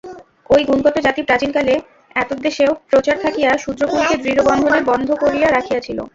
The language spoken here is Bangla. ঐ গুণগত জাতি প্রাচীনকালে এতদ্দেশেও প্রচার থাকিয়া শূদ্রকুলকে দৃঢ়বন্ধনে বদ্ধ করিয়া রাখিয়াছিল।